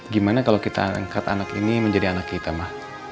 gimana kalau kita angkat anak ini menjadi anak kita mah